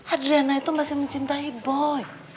adrena itu masih mencintai boy